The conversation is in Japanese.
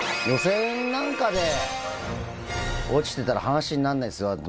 予選なんかで落ちてたら、話になんないですよ。